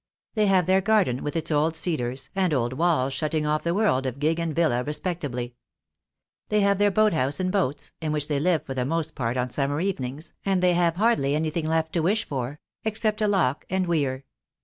They have their garden with its old cedars, and old walls shutting off the world of gig and villa respec tability. They have their boat house and boats, in which they live for the most part on summer evenings, and they have hardly anything left to wish for — except a lock and weir.